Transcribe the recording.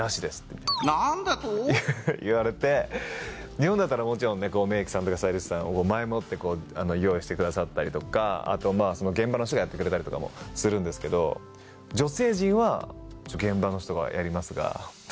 日本だったらもちろんメイクさんとかスタイリストさんを前もって用意してくださったりとかあと現場の人がやってくれたりとかもするんですけど女性陣は現場の人がやりますが。